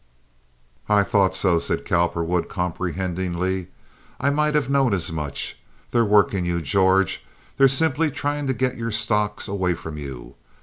"I thought so," said Cowperwood, comprehendingly. "I might have known as much. They're working you, George. They're simply trying to get your stocks away from you.